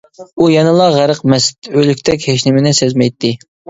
ئۇ يەنىلا غەرق مەست، ئۆلۈكتەك ھېچنېمىنى سەزمەيتتى.